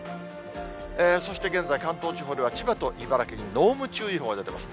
そして現在、関東地方では千葉と茨城に濃霧注意報が出ています。